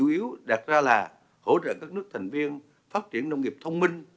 mục tiêu đặt ra là hỗ trợ các nước thành viên phát triển nông nghiệp thông minh